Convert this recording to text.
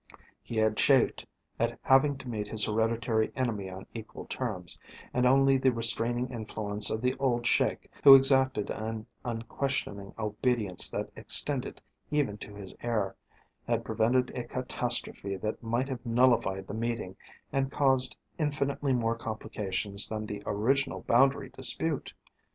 He had chafed at having to meet his hereditary enemy on equal terms, and only the restraining influence of the old Sheik, who exacted an unquestioning obedience that extended even to his heir, had prevented a catastrophe that might have nullified the meeting and caused infinitely more complications than the original boundary dispute.